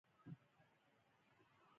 لکه ذات دی له آفته په امان ستا په پښتو ژبه.